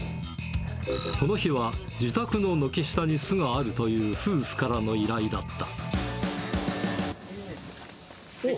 この日は、自宅の軒下に巣があるという夫婦からの依頼だった。